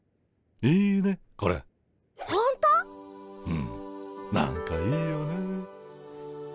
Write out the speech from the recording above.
うん何かいいよね。